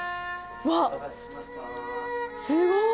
うわすごい。